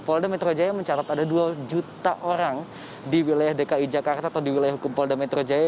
polda metro jaya mencatat ada dua juta orang di wilayah dki jakarta atau di wilayah hukum polda metro jaya